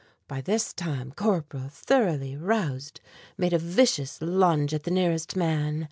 By this time Corporal, thoroughly roused, made a vicious lunge at the nearest man.